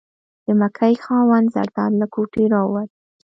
د مکۍ خاوند زرداد له کوټې راووت.